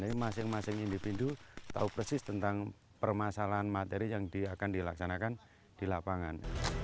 jadi masing masing individu tahu persis tentang permasalahan materi yang akan dilaksanakan di lapangan